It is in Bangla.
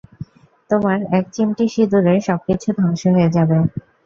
তোমার এক চিমটি সিদুরে সবকিছু ধ্বংস হয়ে যাবে।